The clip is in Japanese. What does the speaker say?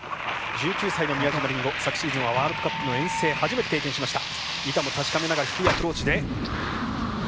１９歳の宮嶋林湖昨シーズンはワールドカップの遠征、初めて経験しました。